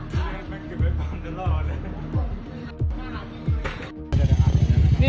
สวัสดีครับ